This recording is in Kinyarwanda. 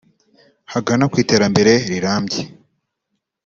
hagana ku iterambere rirambye